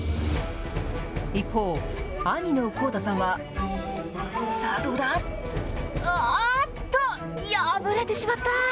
一方、兄の輝大さんは、さあ、どうだ。あーっと、破れてしまった。